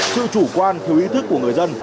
sự chủ quan thiếu ý thức của người dân